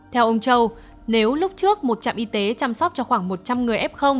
theo ông châu nếu lúc trước một trạm y tế chăm sóc cho khoảng một trăm linh người f